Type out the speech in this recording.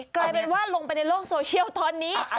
กลายเป็นว่าลงไปในโลกโซเชียลตอนนี้